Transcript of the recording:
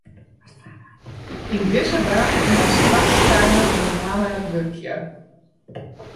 Yn dizze baan moatst twa wykeinen yn 'e moanne wurkje.